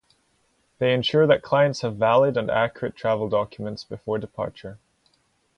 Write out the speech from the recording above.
They ensure that clients have valid and accurate travel documents before departure.